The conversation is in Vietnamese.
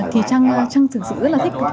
thì trang thường sự rất là thích